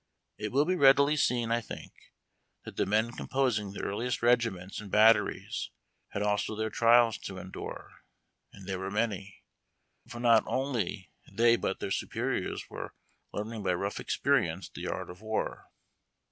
It will be readily seen, I think, that the men composing the earliest regiments and. batteries had also their trials to endure, and they were many; for not only they but their superiors were learning by rough experience the art of war.